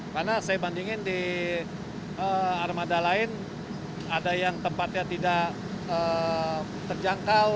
karena saya bandingin di armada lain ada yang tempatnya tidak terjangkau